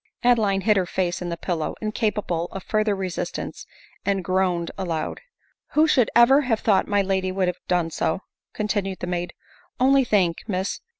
Adeline hid her face in the pillow, incapable of further resistance, and groaned aloud. t " Who should ever have thought my lady would have done so !" continued the maid. " Only, think, Miss